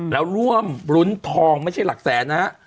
แล้วร่วมรุ้นทองไม่ใช่หลักแสนนะฮะ